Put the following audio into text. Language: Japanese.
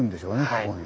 ここに。